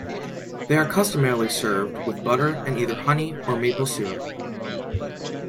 They are customarily served with butter and either honey or maple syrup.